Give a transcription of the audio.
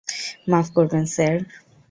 মাফ করবেন, স্যার?